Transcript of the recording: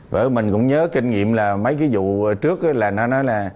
vợ mình cũng nhớ kinh nghiệm là mấy cái vụ trước là nó nói là